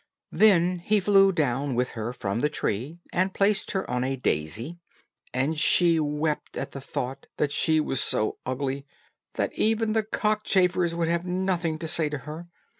Then he flew down with her from the tree, and placed her on a daisy, and she wept at the thought that she was so ugly that even the cockchafers would have nothing to say to her.